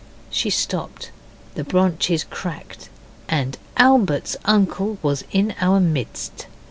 She stopped. The branches cracked, and Albert's uncle was in our midst.